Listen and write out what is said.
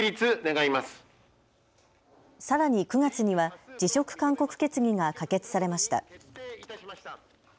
さらに９月には辞職勧告決議が可決されました。